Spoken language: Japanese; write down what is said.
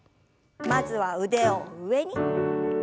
まずは腕を上に。